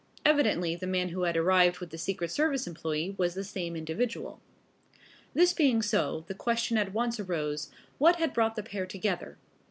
Evidently the man who had arrived with the secret service employee was the same individual. This being so, the question at once arose, what had brought the pair together?